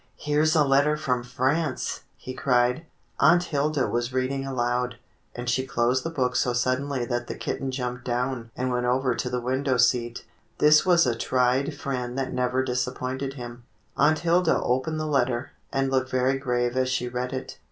"Here's a letter from France!" he cried. THE LETTER FROM FRANCE 129 Aunt Hilda was reading aloud, and she closed the book so suddenly that the kitten jumped down and went over to the window seat. This was a tried friend that never disappointed him. Aunt Hilda opened the letter, and looked very grave as she read it.